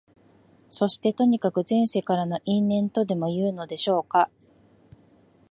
そして、とにかく前世からの因縁とでもいうのでしょうか、